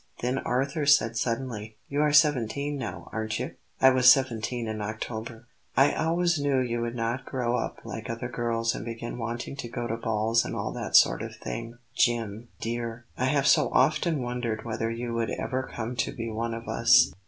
Then Arthur said suddenly: "You are seventeen, now, aren't you?" "I was seventeen in October." "I always knew you would not grow up like other girls and begin wanting to go to balls and all that sort of thing. Jim, dear, I have so often wondered whether you would ever come to be one of us."